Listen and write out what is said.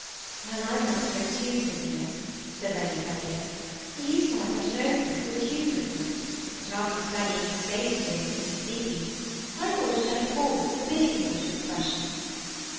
" Well, I thought so too, Sophia," said Lady Teviot ;^ he used to have such an open, good humored look, but after studying his face to day when he was speaking, I thought it had a false, forbidding sort of expression."